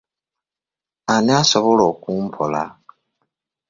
Ani asobola okumpola?